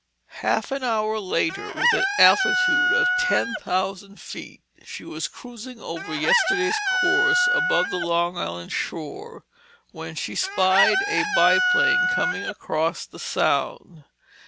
Half an hour later, with an altitude of ten thousand feet, she was cruising over yesterday's course above the Long Island shore, when she spied a biplane coming across the Sound.